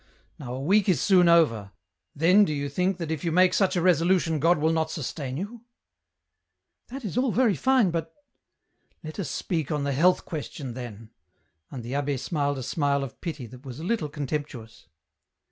Now a week is soon over, then do you think that if you make such a resolution God will not sustain you ?"" That is all very fine, but ..."" Let us speak on the health question, then ;" and the abb^ smiled a smile of pity that was a little contemptuous.